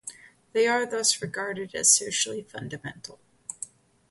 They are, thus, regarded as socially fundamental.